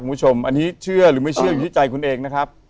คุณผู้ชมอันนี้เชื่อหรือไม่เชื่ออยู่ที่ใจคุณเองนะครับ